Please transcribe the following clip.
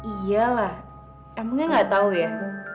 iya lah emangnya nggak tahu ya